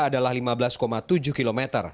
adalah lima belas tujuh km